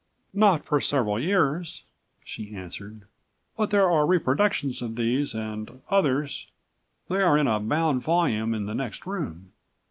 "Not for several years," she answered. "But there are reproductions of these and others. They're in a bound volume in the next room.